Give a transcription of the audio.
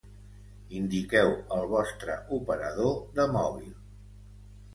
Indiqueu el vostre operador de mòbil.